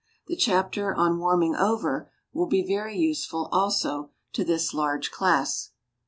The chapter on "Warming Over" will be very useful also to this large class.